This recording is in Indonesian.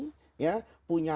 punya hak dan kemampuan